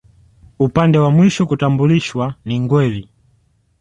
Upande wa mwisho kutambulishwa ni Ngweli